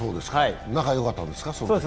仲良かったんですか？